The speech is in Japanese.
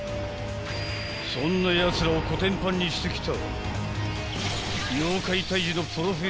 ［そんなやつらをこてんぱんにしてきた］